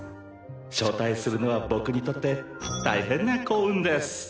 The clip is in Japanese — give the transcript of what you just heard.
招待するのは僕にとって大変な幸運です。